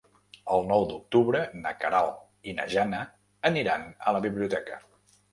El nou d'octubre na Queralt i na Jana aniran a la biblioteca.